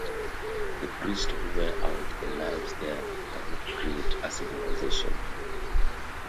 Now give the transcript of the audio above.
The priests who wear out their lives there cannot create a civilization.